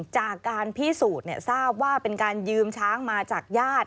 จากการพิสูจน์ทราบว่าเป็นการยืมช้างมาจากญาติ